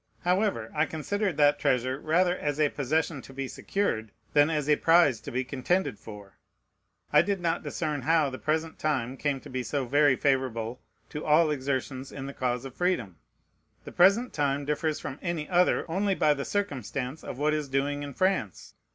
However, I considered that treasure rather as a possession to be secured than as a prize to be contended for. I did not discern how the present time came to be so very favorable to all exertions in the cause of freedom. The present time differs from any other only by the circumstance of what is doing in France.